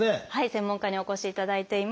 専門家にお越しいただいています。